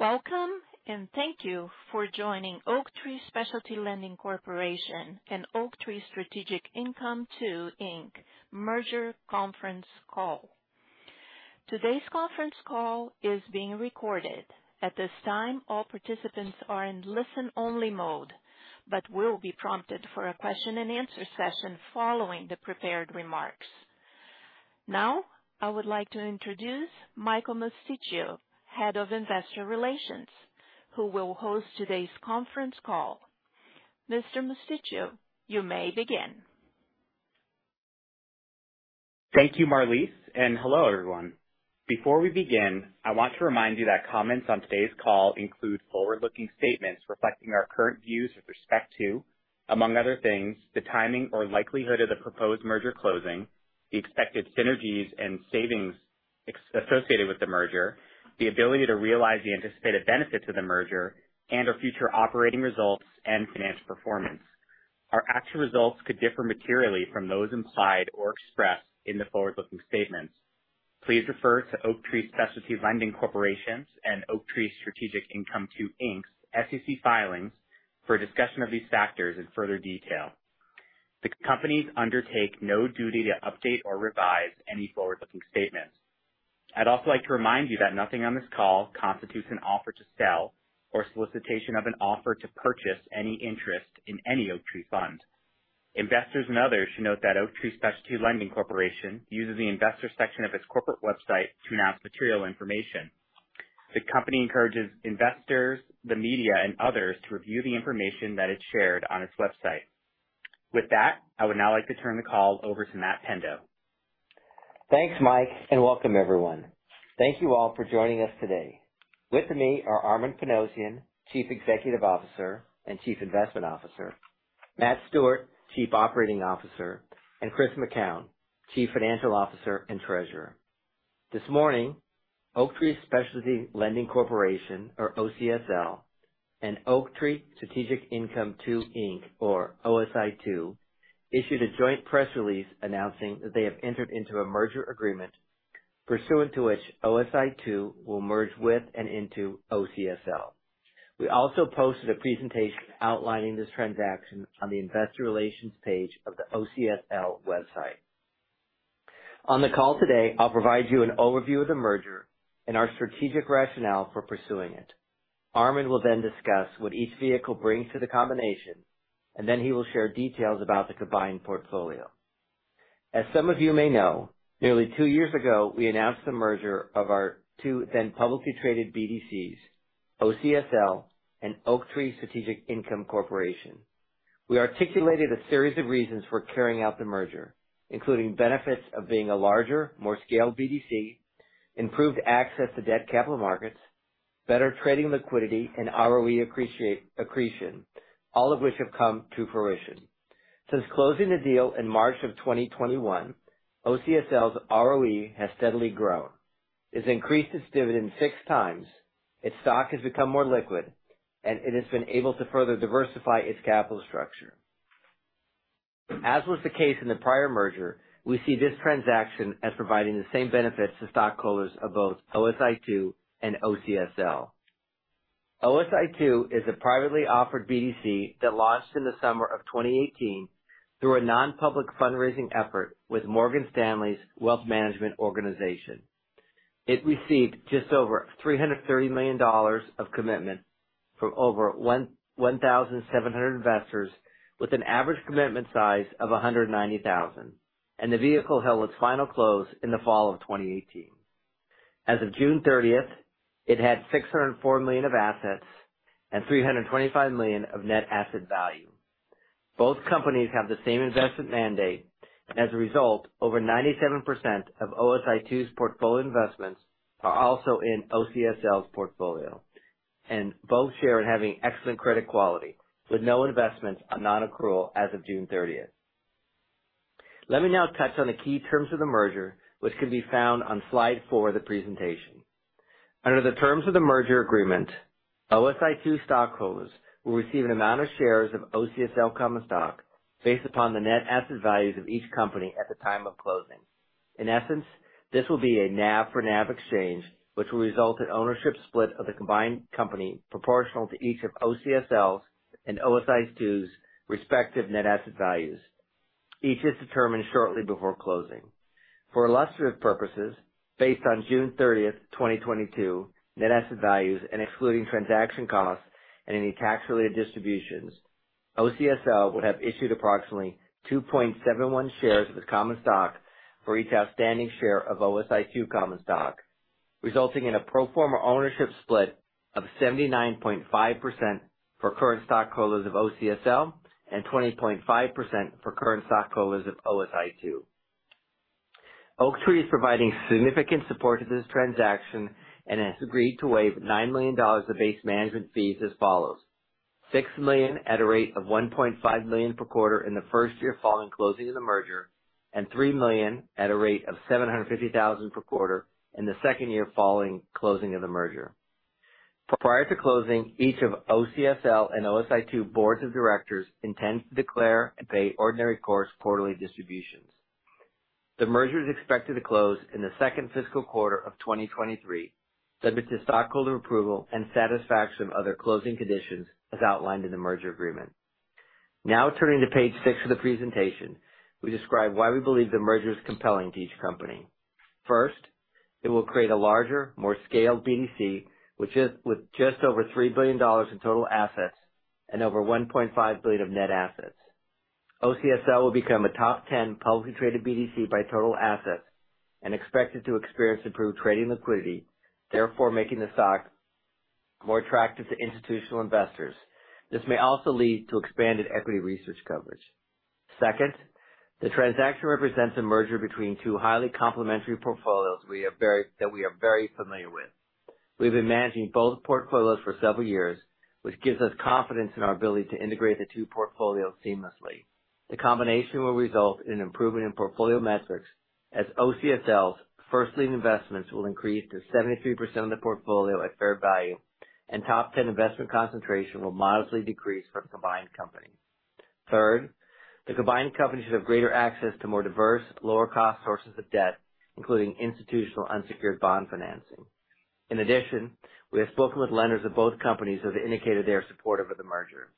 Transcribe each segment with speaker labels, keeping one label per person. Speaker 1: Welcome and thank you for joining Oaktree Specialty Lending Corporation and Oaktree Strategic Income II, Inc. Merger Conference Call. Today's conference call is being recorded. At this time, all participants are in listen-only mode, but will be prompted for a question-and-answer session following the prepared remarks. Now, I would like to introduce Michael Mosticchio, Head of Investor Relations, who will host today's conference call. Mr. Mosticchio, you may begin.
Speaker 2: Thank you, Marlise, and hello, everyone. Before we begin, I want to remind you that comments on today's call include forward-looking statements reflecting our current views with respect to, among other things, the timing or likelihood of the proposed merger closing, the expected synergies and savings associated with the merger, the ability to realize the anticipated benefits of the merger, and our future operating results and financial performance. Our actual results could differ materially from those implied or expressed in the forward-looking statements. Please refer to Oaktree Specialty Lending Corporation's and Oaktree Strategic Income II, Inc.'s SEC filings for a discussion of these factors in further detail. The companies undertake no duty to update or revise any forward-looking statements. I'd also like to remind you that nothing on this call constitutes an offer to sell or solicitation of an offer to purchase any interest in any Oaktree fund. Investors and others should note that Oaktree Specialty Lending Corporation uses the investor section of its corporate website to announce material information. The company encourages investors, the media, and others to review the information that is shared on its website. With that, I would now like to turn the call over to Matt Pendo.
Speaker 3: Thanks, Mike, and welcome everyone. Thank you all for joining us today. With me are Armen Panossian, Chief Executive Officer and Chief Investment Officer, Matt Stewart, Chief Operating Officer, and Chris McKown, Chief Financial Officer and Treasurer. This morning, Oaktree Specialty Lending Corporation, or OCSL, and Oaktree Strategic Income II, Inc., or OSI Two, issued a joint press release announcing that they have entered into a merger agreement pursuant to which OSI Two will merge with and into OCSL. We also posted a presentation outlining this transaction on the investor relations page of the OCSL website. On the call today, I'll provide you an overview of the merger and our strategic rationale for pursuing it. Armen will then discuss what each vehicle brings to the combination, and then he will share details about the combined portfolio. As some of you may know, nearly two years ago, we announced the merger of our two then publicly traded BDCs, OCSL and Oaktree Strategic Income Corporation. We articulated a series of reasons for carrying out the merger, including benefits of being a larger, more scaled BDC, improved access to debt capital markets, better trading liquidity and ROE accretion, all of which have come to fruition. Since closing the deal in March 2021, OCSL's ROE has steadily grown. It's increased its dividend six times, its stock has become more liquid, and it has been able to further diversify its capital structure. As was the case in the prior merger, we see this transaction as providing the same benefits to stockholders of both OSI II and OCSL. OSI II is a privately offered BDC that launched in the summer of 2018 through a non-public fundraising effort with Morgan Stanley's wealth management organization. It received just over $330 million of commitment from over 1,700 investors with an average commitment size of $190,000, and the vehicle held its final close in the fall of 2018. As of June 30, it had $604 million of assets and $325 million of net asset value. Both companies have the same investment mandate, and as a result, over 97% of OSI II's portfolio investments are also in OCSL's portfolio. Both share in having excellent credit quality, with no investments on non-accrual as of June 30. Let me now touch on the key terms of the merger, which can be found on slide four of the presentation. Under the terms of the merger agreement, OSI II stockholders will receive an amount of shares of OCSL common stock based upon the net asset values of each company at the time of closing. In essence, this will be a NAV for NAV exchange, which will result in ownership split of the combined company proportional to each of OCSL's and OSI II's respective net asset values. Each is determined shortly before closing. For illustrative purposes, based on June 30, 2022, net asset values, and excluding transaction costs and any tax-related distributions, OCSL would have issued approximately 2.71 shares of its common stock for each outstanding share of OSI Two common stock, resulting in a pro forma ownership split of 79.5% for current stockholders of OCSL and 20.5% for current stockholders of OSI Two. Oaktree is providing significant support to this transaction and has agreed to waive $9 million of base management fees as follows. $6 million at a rate of $1.5 million per quarter in the first year following closing of the merger, and $3 million at a rate of $750,000 per quarter in the second year following closing of the merger. Prior to closing, each of OCSL and OSI II boards of directors intends to declare and pay ordinary course quarterly distributions. The merger is expected to close in the second fiscal quarter of 2023, subject to stockholder approval and satisfaction of other closing conditions as outlined in the merger agreement. Now turning to page 6 of the presentation, we describe why we believe the merger is compelling to each company. First, it will create a larger, more scaled BDC, which is with just over $3 billion in total assets and over $1.5 billion of net assets. OCSL will become a top 10 publicly traded BDC by total assets and is expected to experience improved trading liquidity, therefore making the stock more attractive to institutional investors. This may also lead to expanded equity research coverage. Second, the transaction represents a merger between two highly complementary portfolios that we are very familiar with. We've been managing both portfolios for several years, which gives us confidence in our ability to integrate the two portfolios seamlessly. The combination will result in an improvement in portfolio metrics as OCSL's first lien investments will increase to 73% of the portfolio at fair value, and the top ten investment concentration will modestly decrease for the combined company. Third, the combined company should have greater access to more diverse, lower-cost sources of debt, including institutional unsecured bond financing. In addition, we have spoken with lenders of both companies who have indicated they are supportive of the merger.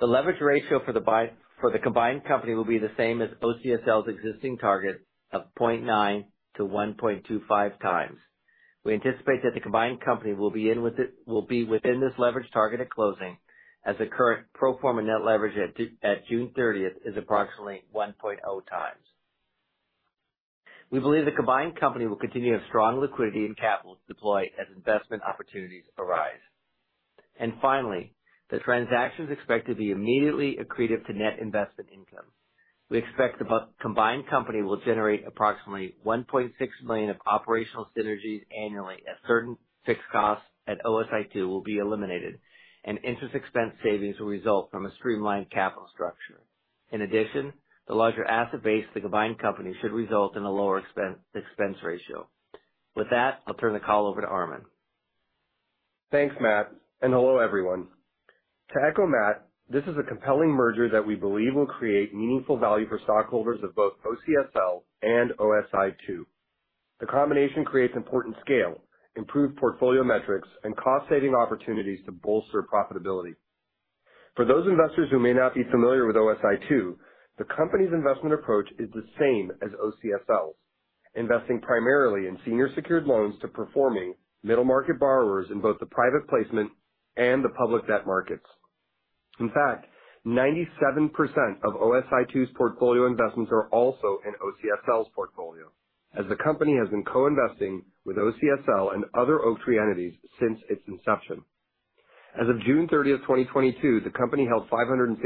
Speaker 3: The leverage ratio for the combined company will be the same as OCSL's existing target of 0.9-1.25 times. We anticipate that the combined company will be within this leverage target at closing, as the current pro forma net leverage at June 30th is approximately 1.0x. We believe the combined company will continue to have strong liquidity and capital to deploy as investment opportunities arise. Finally, the transaction is expected to be immediately accretive to net investment income. We expect the combined company will generate approximately $1.6 million of operational synergies annually as certain fixed costs at OSI II will be eliminated, and interest expense savings will result from a streamlined capital structure. In addition, the larger asset base of the combined company should result in a lower expense ratio. With that, I'll turn the call over to Armen.
Speaker 4: Thanks, Matt, and hello, everyone. To echo Matt, this is a compelling merger that we believe will create meaningful value for stockholders of both OCSL and OSI II. The combination creates important scale, improved portfolio metrics, and cost-saving opportunities to bolster profitability. For those investors who may not be familiar with OSI II, the company's investment approach is the same as OCSL's, investing primarily in senior secured loans to performing middle-market borrowers in both the private placement and the public debt markets. In fact, 97% of OSI II's portfolio investments are also in OCSL's portfolio, as the company has been co-investing with OCSL and other Oaktree entities since its inception. As of June 30, 2022, the company held $567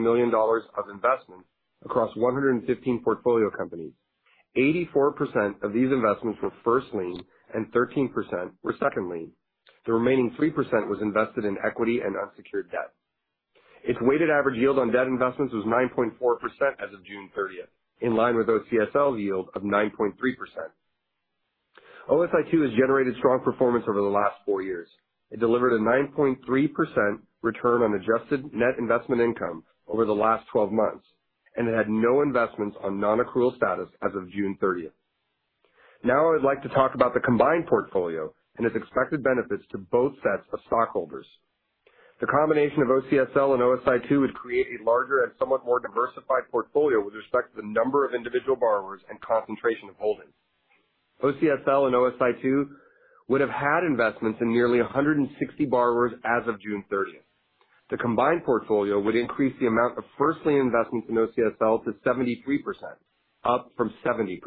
Speaker 4: million of investments across 115 portfolio companies. 84% of these investments were first lien, and 13% were second lien. The remaining 3% was invested in equity and unsecured debt. Its weighted average yield on debt investments was 9.4% as of June 30, in line with the OCSL yield of 9.3%. OSI II has generated strong performance over the last four years. It delivered a 9.3% return on adjusted net investment income over the last 12 months, and it had no investments on non-accrual status as of June 30. Now I would like to talk about the combined portfolio and its expected benefits to both sets of stockholders. The combination of OCSL and OSI II would create a larger and somewhat more diversified portfolio with respect to the number of individual borrowers and concentration of holdings. OCSL and OSI II would have had investments in nearly 160 borrowers as of June 30. The combined portfolio would increase the amount of first lien investments in OCSL to 73%, up from 70%.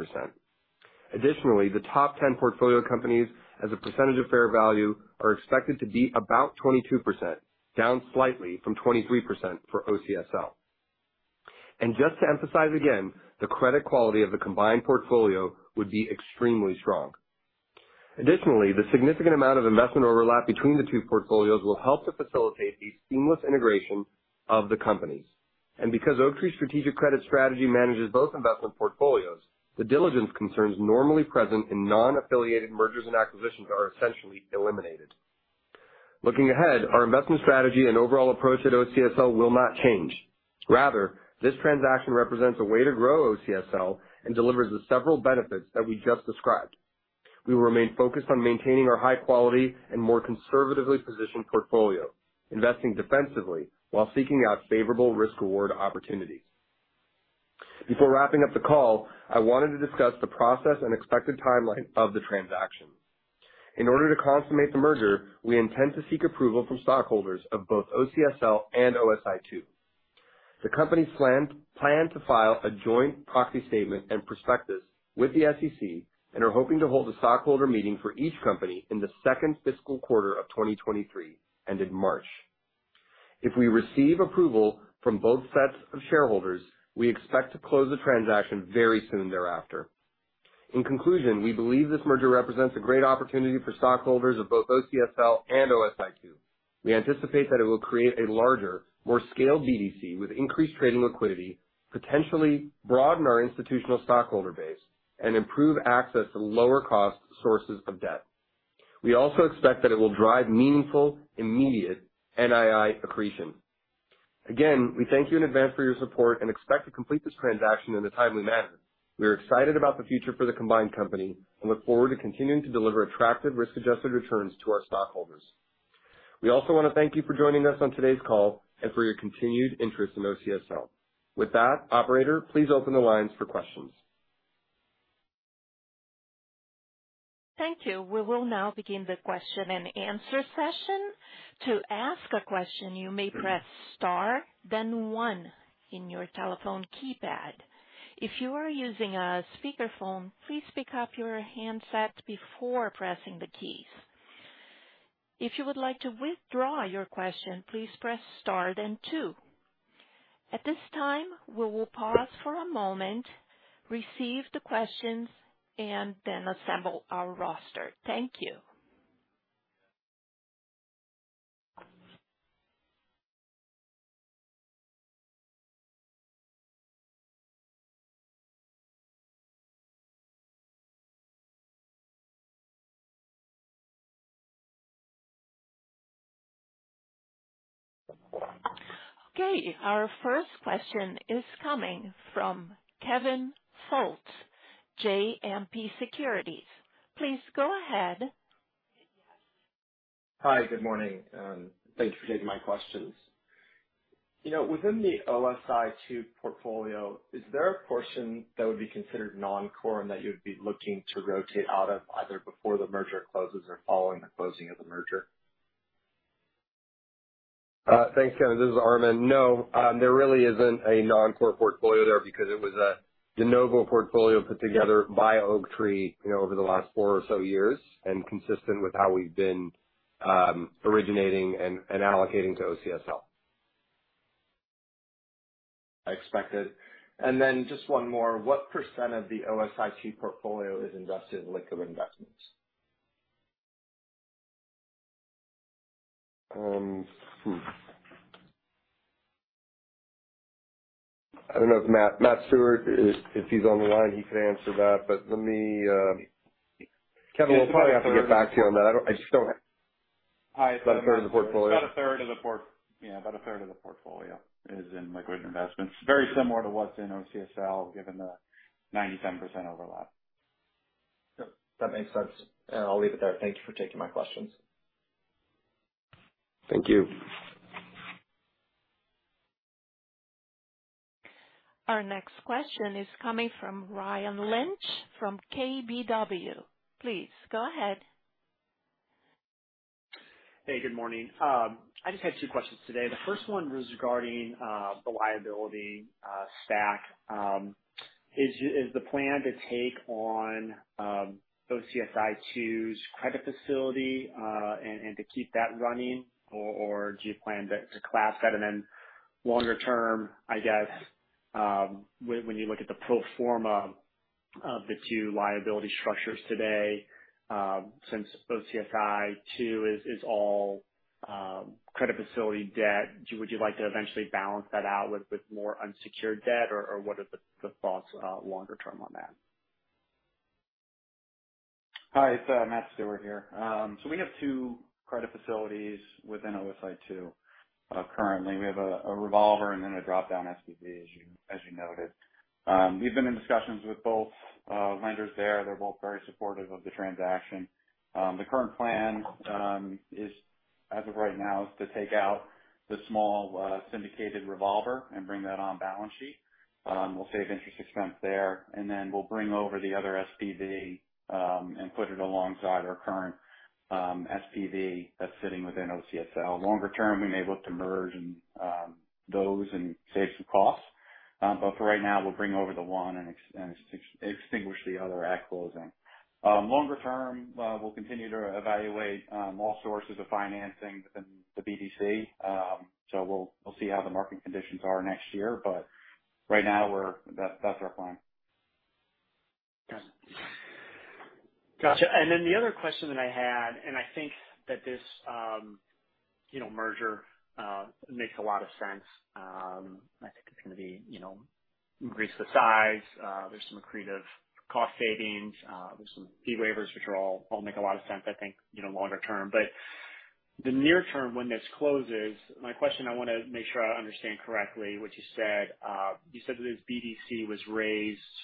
Speaker 4: Additionally, the top ten portfolio companies as a percentage of fair value are expected to be about 22%, down slightly from 23% for OCSL. Just to emphasize again, the credit quality of the combined portfolio would be extremely strong. Additionally, the significant amount of investment overlap between the two portfolios will help to facilitate the seamless integration of the companies. Because Oaktree's strategic credit strategy manages both investment portfolios, the diligence concerns normally present in non-affiliated mergers and acquisitions are essentially eliminated. Looking ahead, our investment strategy and overall approach at OCSL will not change. Rather, this transaction represents a way to grow OCSL and delivers the several benefits that we just described. We remain focused on maintaining our high-quality and more conservatively positioned portfolio, investing defensively while seeking out favorable risk-reward opportunities. Before wrapping up the call, I wanted to discuss the process and expected timeline of the transaction. In order to consummate the merger, we intend to seek approval from the stockholders of both OCSL and OSI II. The companies plan to file a joint proxy statement and prospectus with the SEC, and are hoping to hold a stockholder meeting for each company in the second fiscal quarter of 2023 and in March. If we receive approval from both sets of shareholders, we expect to close the transaction very soon thereafter. In conclusion, we believe this merger represents a great opportunity for stockholders of both OCSL and OSI II. We anticipate that it will create a larger, more scaled BDC with increased trading liquidity, potentially broaden our institutional stockholder base, and improve access to lower-cost sources of debt. We also expect that it will drive meaningful immediate NII accretion. Again, we thank you in advance for your support and expect to complete this transaction in a timely manner. We are excited about the future of the combined company and look forward to continuing to deliver attractive risk-adjusted returns to our stockholders. We also want to thank you for joining us on today's call and for your continued interest in OCSL. With that, operator, please open the lines for questions.
Speaker 1: Thank you. We will now begin the question-and-answer session. To ask a question, you may press star then one on your telephone keypad. If you are using a speakerphone, please pick up your handset before pressing the keys. If you would like to withdraw your question, please press star then two. At this time, we will pause for a moment, receive the questions, and then assemble our roster. Thank you. Okay. Our first question is coming from Kevin Fultz, JMP Securities. Please go ahead.
Speaker 5: Hi, good morning, and thank you for taking my questions. You know, within the OSI II portfolio, is there a portion that would be considered non-core and that you'd be looking to rotate out of either before the merger closes or following the closing of the merger?
Speaker 4: Thanks, Kevin. This is Armen. No, there really isn't a non-core portfolio there because it was a de novo portfolio put together by Oaktree, you know, over the last four or so years, and consistent with how we've been originating and allocating to OCSL.
Speaker 5: I expected. Just one more. What % of the OSI II portfolio is invested in liquid investments?
Speaker 4: I don't know if Matt Stewart is on the line; he can answer that. Let me, Kevin, we'll probably have to get back to you on that. I just don't.
Speaker 6: Hi. About a third of the portfolio. About a third of the portfolio is in liquid investments. Very similar to what's in OCSL, given the 97% overlap.
Speaker 5: Yep, that makes sense. I'll leave it there. Thank you for taking my questions.
Speaker 4: Thank you.
Speaker 1: Our next question is coming from Ryan Lynch from KBW. Please go ahead.
Speaker 7: Hey, good morning. I just had two questions today. The first one was regarding the liability stack. Is the plan to take on OSI II's credit facility and to keep that running, or do you plan to cap that? Then, longer term, I guess, when you look at the pro forma of the two liability structures today, since OSI II is all credit facility debt, would you like to eventually balance that out with more unsecured debt? Or what are the thoughts longer term on that?
Speaker 6: Hi, it's Matt Stewart here. We have two credit facilities within OSI II. Currently, we have a revolver and then a drop-down SPV, as you noted. We've been in discussions with both lenders there. They're both very supportive of the transaction. The current plan is, as of right now, to take out the small, syndicated revolver and bring that on the balance sheet. We'll save interest expense there, and then we'll bring over the other SPV and put it alongside our current SPV that's sitting within OCSL. Longer term, we may look to merge those and save some costs. For right now, we'll bring over the one and extinguish the other at closing. Longer term, we'll continue to evaluate all sources of financing within the BDC. We'll see how the market conditions are next year, but right now that's our plan.
Speaker 7: Gotcha. Then the other question that I had, and I think that this, you know, merger makes a lot of sense. I think it's gonna be, you know, increase the size. There are some accretive cost savings. There are some fee waivers which will all make a lot of sense, I think, you know, longer term. But in the near term, when this closes, my question, I wanna make sure I understand correctly what you said. You said that this BDC was raised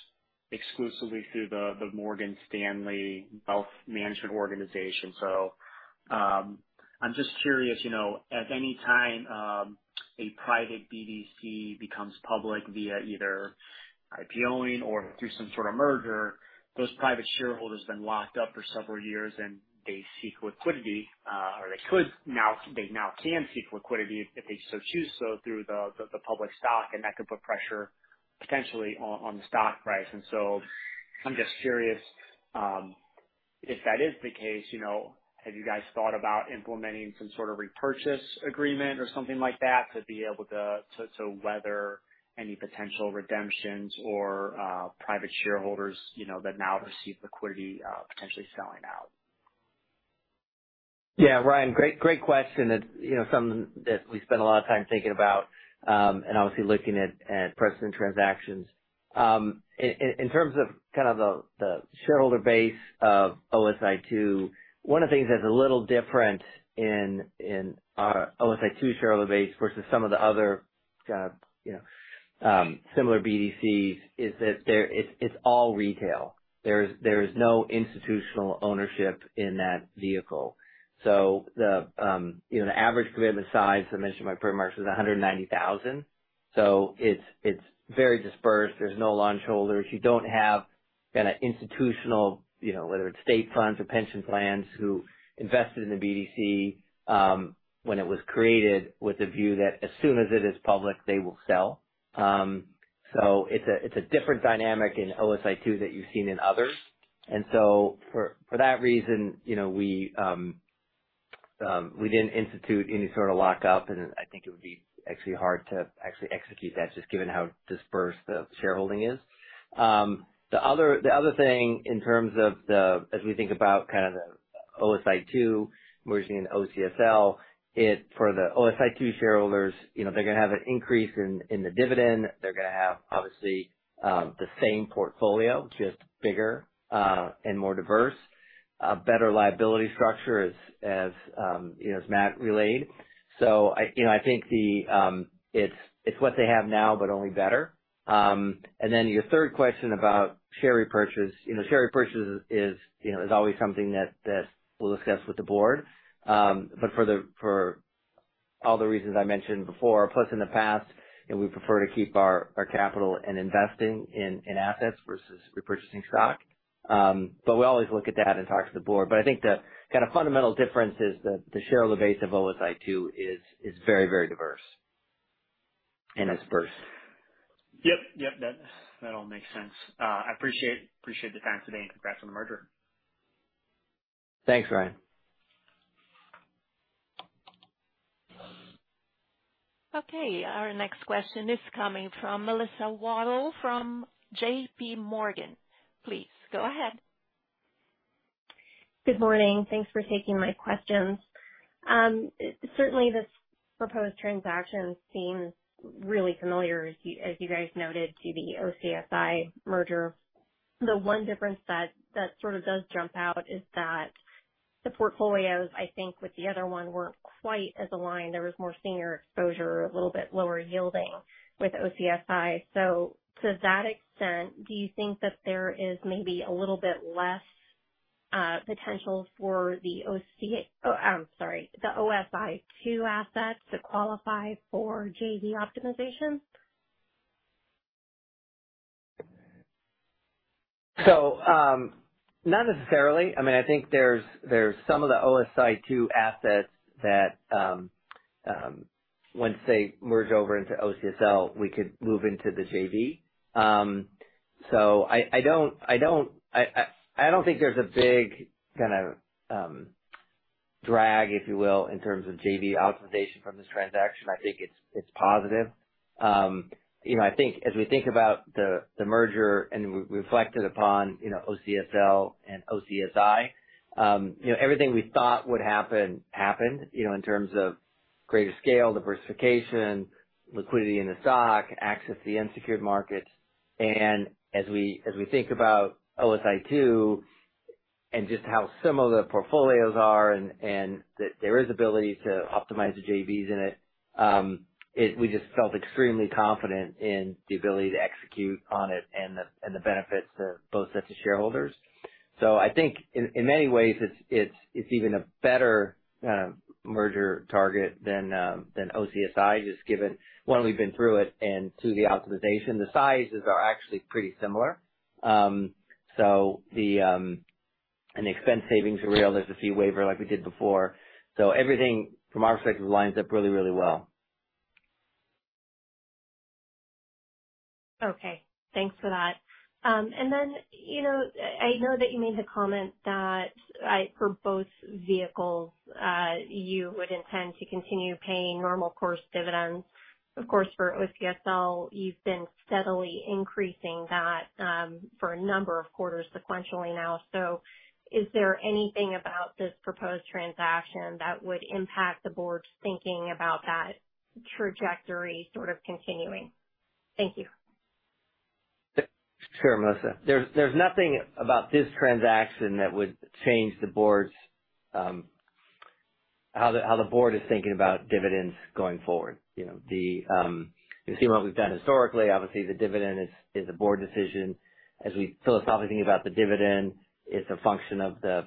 Speaker 7: exclusively through the Morgan Stanley Wealth Management organization. I'm just curious, you know, at any time a private BDC becomes public via either IPO-ing or through some sort of merger, those private shareholders been locked up for several years and they seek liquidity, or they now can seek liquidity if they so choose, so through the public stock, and that could put pressure potentially on the stock price. I'm just curious, if that is the case, you know, have you guys thought about implementing some sort of repurchase agreement or something like that to be able to weather any potential redemptions or private shareholders, you know, that now receive liquidity, potentially selling out?
Speaker 3: Yeah, Ryan, great question. It's, you know, something that we spend a lot of time thinking about and obviously looking at precedent transactions. In terms of the kind of shareholder base of OSI II, one of the things that's a little different in our OSI II shareholder base versus some of the other kinds of, you know, similar BDCs is that it's all retail. There's no institutional ownership in that vehicle. So, you know, the average commitment size I mentioned by trademarks was $190,000. So it's very dispersed. There are no large holders. You don't have a kind of institutional, you know, whether it's state funds or pension plans who invested in the BDC when it was created with the view that as soon as it is public, they will sell. It's a different dynamic in OSI II that you've seen in others. For that reason, you know, we didn't institute any sort of lockup, and I think it would be actually hard to actually execute that, just given how dispersed the shareholding is. The other thing, in terms of as we think about, kind of the OSI II merging into OCSL, for the OSI II shareholders, you know, they're gonna have an increase in the dividend. They're gonna have obviously the same portfolio, just bigger and more diverse. Better liability structure, as you know, as Matt relayed. I think it's what they have now, but only better. Then your third question is about share repurchases. You know, share repurchase is always something that we'll discuss with the board. For all the reasons I mentioned before, plus in the past, you know, we prefer to keep our capital in investing in assets versus repurchasing stock. We always look at that and talk to the board. I think the kind of fundamental difference is the shareholder base of OSI II is very diverse and it's dispersed.
Speaker 7: Yep. That all makes sense. I appreciate the time today, and congrats on the merger.
Speaker 3: Thanks, Ryan.
Speaker 1: Okay. Our next question is coming from Melissa Wedel from JPMorgan. Please go ahead.
Speaker 8: Good morning. Thanks for taking my questions. Certainly, this proposed transaction seems really familiar, as you guys noted in the OCSI merger. The one difference that sort of does jump out is that the portfolios, I think, with the other one weren't quite as aligned. There was more senior exposure, a little bit lower yielding with OCSI. To that extent, do you think that there is maybe a little bit less potential for the OSI II assets to qualify for JV optimization?
Speaker 3: Not necessarily. I mean, I think there's some of the OSI II assets that once they merge over into OCSL, we could move into the JV. I don't think there's a big kind of drag, if you will, in terms of JV optimization from this transaction. I think it's positive. You know, I think as we think about the merger and we reflect upon, you know, OCSL and OCSI, you know, everything we thought would happen happened, you know, in terms of greater scale, diversification, liquidity in the stock, access to the unsecured markets. As we think about OSI II and just how similar the portfolios are, and that there is ability to optimize the JVs in it. We just felt extremely confident in the ability to execute on it and the benefits to both sets of shareholders. I think in many ways it's even a better merger target than OCSI, just given one, we've been through it, and two, the optimization. The sizes are actually pretty similar. The and the expense savings are real. There's a fee waiver like we did before. Everything from our perspective lines up really, really well.
Speaker 8: Okay. Thanks for that. You know, I know that you made the comment that, for both vehicles, you would intend to continue paying normal course dividends. Of course, for OCSL you've been steadily increasing that, for a number of quarters sequentially now. Is there anything about this proposed transaction that would impact the board's thinking about that trajectory sort of continuing? Thank you.
Speaker 3: Sure, Melissa. There's nothing about this transaction that would change the board's how the board is thinking about dividends going forward. You know, you've seen what we've done historically. Obviously, the dividend is a board decision. As we philosophically think about the dividend, it's a function of the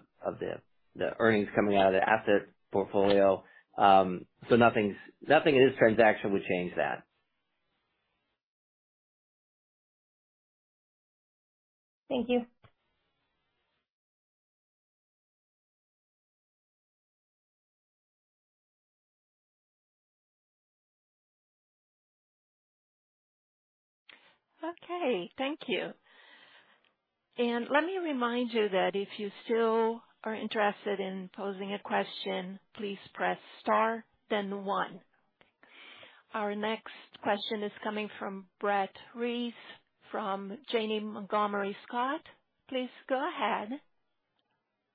Speaker 3: earnings coming out of the asset portfolio. Nothing in this transaction would change that.
Speaker 8: Thank you.
Speaker 1: Okay, thank you. And let me remind you that if you still are interested in posing a question, please press star then one. Our next question is coming from Brett Reiss from Janney Montgomery Scott. Please go ahead.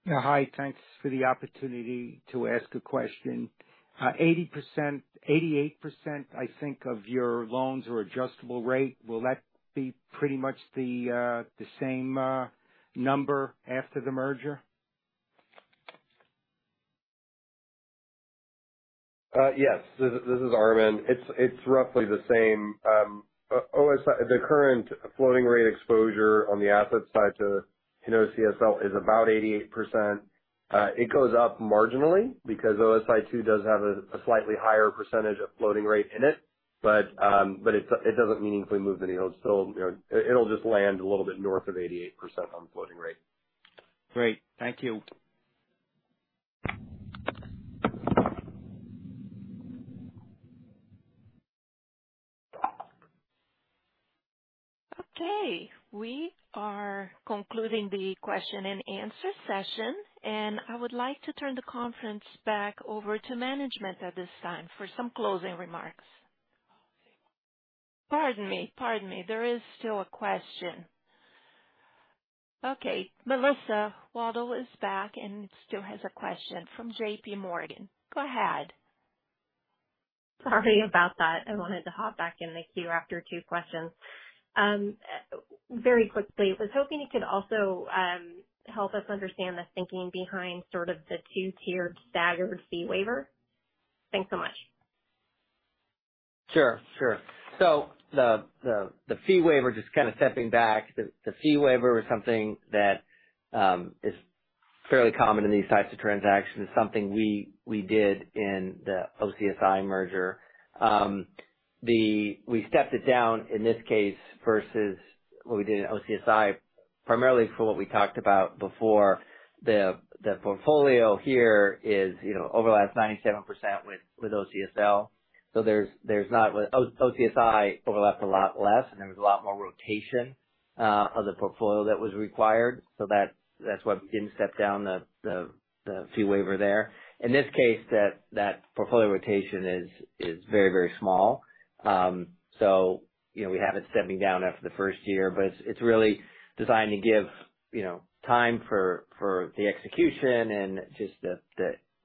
Speaker 9: Yeah. Hi. Thanks for the opportunity to ask a question. 88%, I think, of your loans are adjustable rate. Will that be pretty much the same number after the merger?
Speaker 4: Yes. This is Armen. It's roughly the same. OCSI, the current floating rate exposure on the asset side, to you know, OCSL is about 88%. It goes up marginally because OSI II does have a slightly higher percentage of floating rate in it. It doesn't meaningfully move the needle. You know, it'll just land a little bit north of 88% on the floating rate.
Speaker 9: Great. Thank you.
Speaker 1: Okay. We are concluding the question-and-answer session, and I would like to turn the conference back over to management at this time for some closing remarks. Pardon me. Pardon me. There is still a question. Okay. Melissa Wedel is back, and still has a question from JPMorgan. Go ahead.
Speaker 8: Sorry about that. I wanted to hop back in the queue after two questions. Very quickly, I was hoping you could also help us understand the thinking behind a sort of two-tiered staggered fee waiver. Thanks so much.
Speaker 3: Sure, sure. The fee waiver just kind of stepping back. The fee waiver was something that is fairly common in these types of transactions. Something we did in the OCSI merger. We stepped it down in this case versus what we did in OCSI, primarily for what we talked about before. The portfolio here, you know, overlaps 97% with OCSL. There's not. OCSI overlapped a lot less, and there was a lot more rotation of the portfolio that was required. That's why we didn't step down the fee waiver there. In this case that portfolio rotation is very, very small. You know, we have it stepping down after the first year, but it's really designed to give, you know, time for the execution, and just the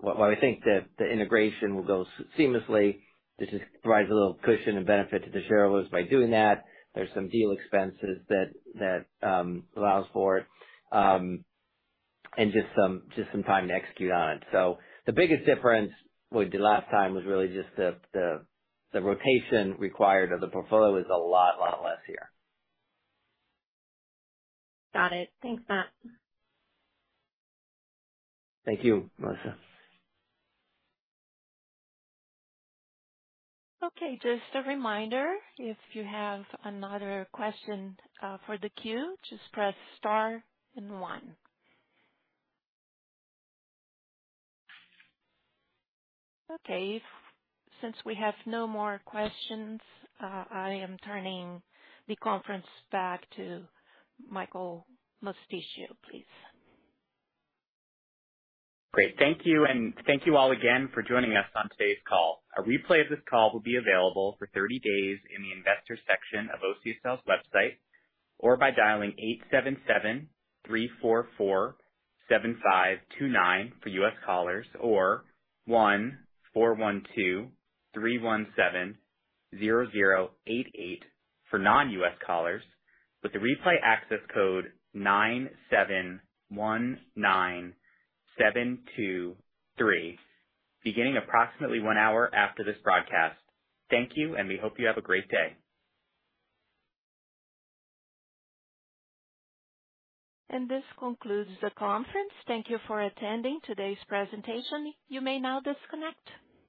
Speaker 3: while we think that the integration will go seamlessly, this just provides a little cushion and benefit to the shareholders by doing that. There are some deal expenses that allows for it, and just some time to execute on it. The biggest difference with the last time was really just the rotation required of the portfolio is a lot less here.
Speaker 8: Got it. Thanks, Matt.
Speaker 3: Thank you, Melissa.
Speaker 1: Okay. Just a reminder, if you have another question for the queue, just press star and one. Okay. Since we have no more questions, I am turning the conference back to Michael Mosticchio, please.
Speaker 2: Great. Thank you, and thank you all again for joining us on today's call. A replay of this call will be available for 30 days in the investors section of OCSL's website, or by dialing 877-344-7529 for U.S. callers, or 1-412-317-0088 for non-U.S. callers with the replay access code 9719723, beginning approximately 1 hour after this broadcast. Thank you, and we hope you have a great day.
Speaker 1: This concludes the conference. Thank you for attending today's presentation. You may now disconnect.